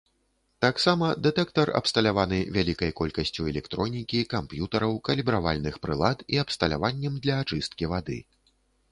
Таксама дэтэктар абсталяваны вялікай колькасцю электронікі, камп'ютараў, калібравальных прылад і абсталяваннем для ачысткі вады.